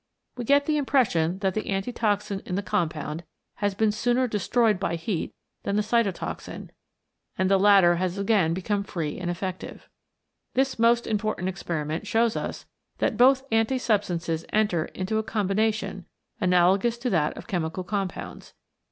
We get the impression that the antitoxin in the com pound has been sooner destroyed by heat than the cytotoxin, and the latter has again become free and effective. This most important experiment shows us that both anti substances enter into a com bination, analogous to that of chemical compounds.